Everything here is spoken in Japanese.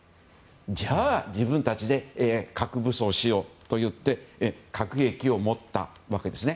じゃあ、自分たちで核武装しようといって核兵器を持ったわけですね。